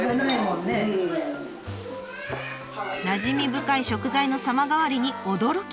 なじみ深い食材の様変わりに驚き。